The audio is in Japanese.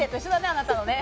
あなたのね。